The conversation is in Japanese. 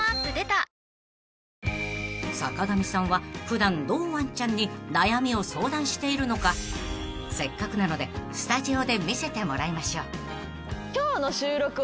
トーンアップ出た［坂上さんは普段どうワンちゃんに悩みを相談しているのかせっかくなのでスタジオで見せてもらいましょう］